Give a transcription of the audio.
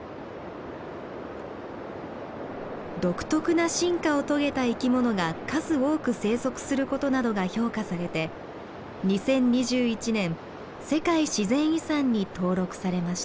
独特な進化を遂げた生きものが数多く生息することなどが評価されて２０２１年世界自然遺産に登録されました。